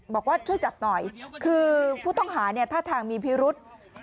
บอกว่าช่วยจับหน่อยคือผู้ต้องหาเนี่ยท่าทางมีพิรุษ